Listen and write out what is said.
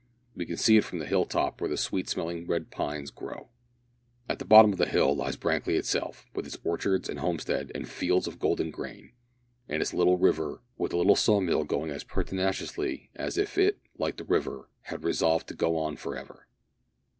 We can see it from the hill top where the sweet smelling red pines grow. At the bottom of the hill lies Brankly itself, with its orchards and homestead and fields of golden grain, and its little river, with the little saw mill going as pertinaciously as if it, like the river, had resolved to go on for ever.